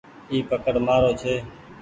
اي پڪڙ مآرو ڇي ۔